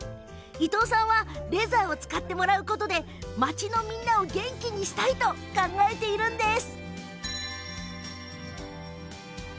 伊藤さんはレザーを使ってもらうことで町のみんなを元気にしたいと考えているんです。